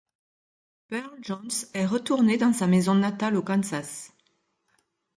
Pearl Jones est retournée dans sa maison natale au Kansas.